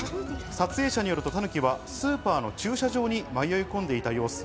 撮影者によるとタヌキはスーパーの駐車場に迷い込んでいた様子。